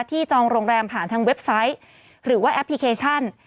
จองโรงแรมผ่านทางเว็บไซต์หรือว่าแอปพลิเคชัน